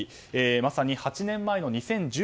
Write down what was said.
まさに８年前の２０１４年